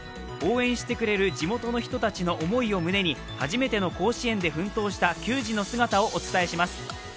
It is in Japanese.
応援してくれる地元の人たちの思いを胸に初めての甲子園で奮闘した球児の姿をお伝えします。